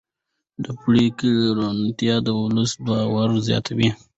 د پرېکړو روڼتیا د ولس باور زیاتوي